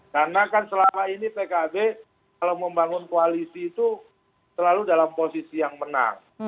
karena kan selama ini pkb kalau membangun koalisi itu selalu dalam posisi yang menang